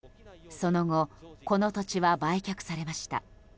その後この土地は売却されました。